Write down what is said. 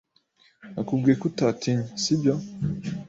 Nakubwiye ko utanyita , sibyo?